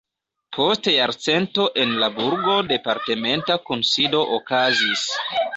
Post jarcento en la burgo departementa kunsido okazis.